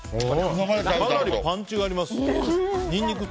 かなりのパンチがあります。